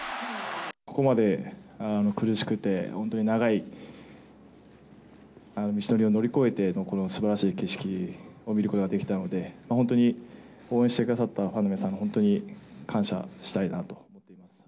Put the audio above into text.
ここまで苦しくて、本当に長い道のりを乗り越えてのこのすばらしい景色を見ることができたので、本当に、応援してくださったファンの皆さんに本当に感謝したいなと。